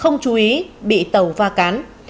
không chú ý bị tàu va cán